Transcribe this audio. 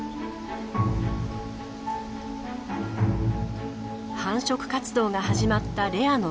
繁殖活動が始まったレアの群れ。